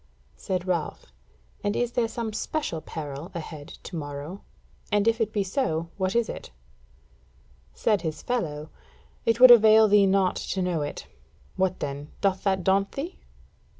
Said Ralph: "And is there some special peril ahead to morrow? And if it be so, what is it?" Said his fellow: "It would avail thee naught to know it. What then, doth that daunt thee?"